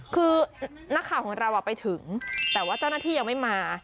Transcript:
คือนักข่าวของเราไปถึงแต่ว่าเจ้าหน้าที่ยังไม่มา